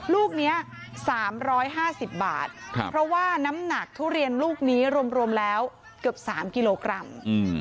ลูกนี้๓๕๐บาทเพราะว่าน้ำหนักทุเรียนลูกนี้รวมแล้วเกือบ๓กิโลกรัม